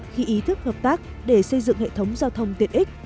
khi ý thức hợp tác để xây dựng hệ thống giao thông tiện ích